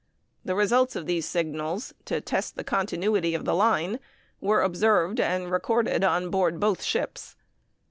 The results of these signals to test the continuity of the line were observed and recorded on board both ships.